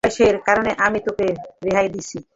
তোর বয়সের কারণে আমি তোকে রেহাই দিচ্ছি।